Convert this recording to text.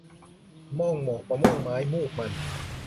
โมงโมกมะม่วงไม้ มูกมัน